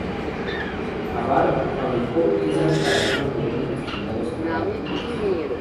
Abarth fabricó piezas para algunos modelos destinados a la competición.